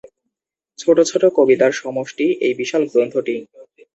ছোট ছোট কবিতার সমষ্টি এই বিশাল গ্রন্থটি।